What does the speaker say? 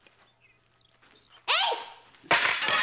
えい！